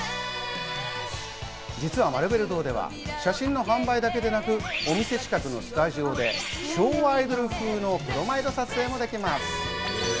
実はマルベル堂では写真の販売だけでなく、お店で、昭和アイドル風のプロマイド撮影もできます。